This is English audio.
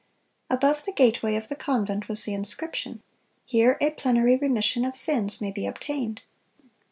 Above the gateway of the convent was the inscription, "Here a plenary remission of sins may be obtained."